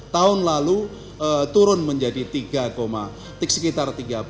tahun lalu turun menjadi sekitar tiga